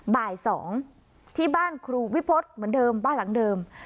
บ่าย๒ที่บ้านครูวิพฤษเหมือนเดิมบ้านหลังเดิม